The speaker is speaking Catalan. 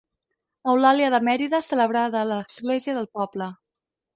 Eulàlia de Mèrida, celebrada a l'església del poble.